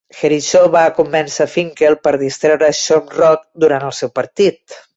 Jericho va convèncer Finkel per distreure Shamrock durant el seu partit.